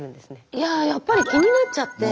いやあやっぱり気になっちゃって。